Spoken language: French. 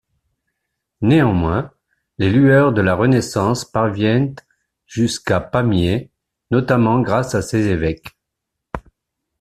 Néanmoins, les lueurs de la Renaissance parviennent jusqu'à Pamiers, notamment grâce à ses évêques.